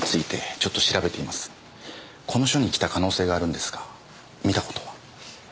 この署に来た可能性があるんですが見た事は？